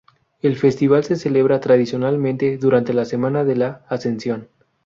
El festival se celebra, tradicionalmente, durante la semana de la Ascensión.